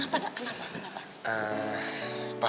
eh kenapa nak kenapa kenapa